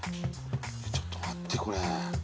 ちょっと待ってこれ。